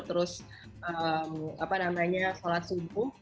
terus apa namanya sholat subuh